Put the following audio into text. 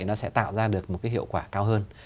chúng ta sẽ tạo ra được một cái hiệu quả cao hơn